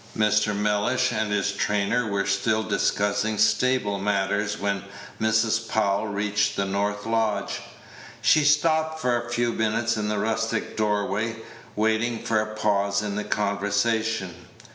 Mr. Mellish and his trainer were still discussing stable matters when Mrs. Powell reached the north lodge. She stopped for a few minutes in the rustic doorway, waiting for a pause in the conversation.